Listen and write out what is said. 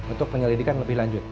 untuk penyelidikan lebih lanjut